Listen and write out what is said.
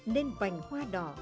nên vành hoa đỏ